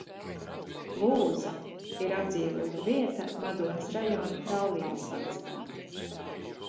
Lūza ir apdzīvota vieta Madonas rajona Praulienas pagastā.